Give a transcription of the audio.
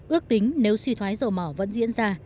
ước tính nếu suy thoái dầu mỏ vẫn diễn ra